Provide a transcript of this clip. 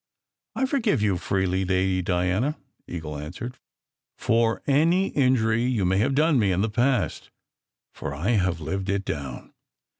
"I forgive you freely, Lady Diana," Eagle answered, "for any injury you may have done me in the past, for I have lived it down.